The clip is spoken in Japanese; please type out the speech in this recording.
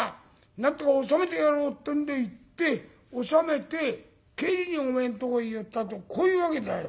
なんとか収めてやろう』ってんで行って収めて帰りにおめえんとこへ寄ったとこういうわけだよ」。